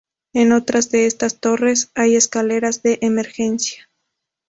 En otras de estas torres hay escaleras de emergencia.